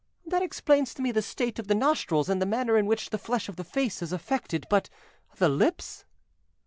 "That explains to me the state of the nostrils and the manner in which the flesh of the face is affected; but the lips?"